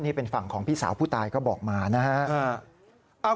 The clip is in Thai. นี่เป็นฝั่งของพี่สาวผู้ตายก็บอกมานะครับ